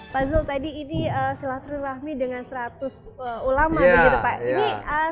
pak zul tadi ini silaturahmi dengan seratus ulama begitu pak